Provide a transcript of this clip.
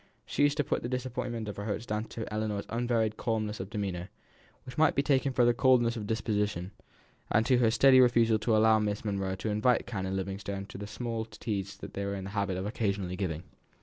She used to put the disappointment of her hopes down to Ellinor's unvaried calmness of demeanour, which might be taken for coldness of disposition; and to her steady refusal to allow Miss Monro to invite Canon Livingstone to the small teas they were in the habit of occasionally giving.